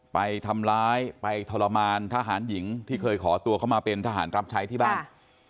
ไปทำร้ายไปทรมานทหารหญิงที่เคยขอตัวเข้ามาเป็นทหารรับใช้ที่บ้าน